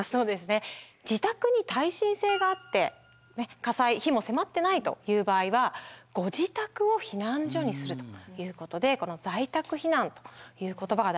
自宅に耐震性があって火災火も迫ってないという場合はご自宅を避難所にするということでこの「在宅避難」という言葉が大事になってきます。